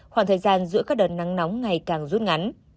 khoảng thời gian giữa các đợt nắng nóng ngày càng rút ngắn